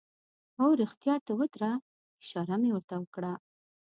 هو، رښتیا ته ودره، اشاره مې ور ته وکړه.